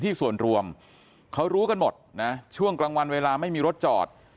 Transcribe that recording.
ส่วนรวมเขารู้กันหมดนะช่วงกลางวันเวลาไม่มีรถจอด